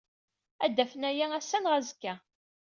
Ad d-afen aya ass-a neɣ azekka.